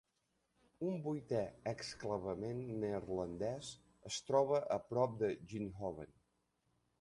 Un vuitè exclavament neerlandès es troba a prop de Ginhoven.